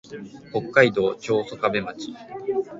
北海道長万部町